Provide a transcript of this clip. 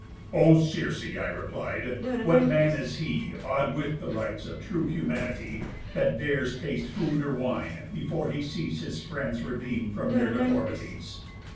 'O Circe!' I replied, 'what man is he, Aw'd with the rights of true humanity, That dares taste food or wine, before he sees His friends redeem'd from their deformities?